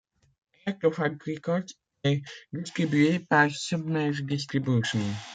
Electrofunk Records est distribué par Submerge Distribution.